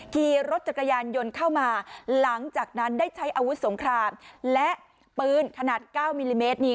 ขี่รถจักรยานยนต์เข้ามาหลังจากนั้นได้ใช้อาวุธสงครามและปืนขนาด๙มิลลิเมตร